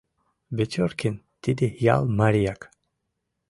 Вечоркин — тиде ял марияк.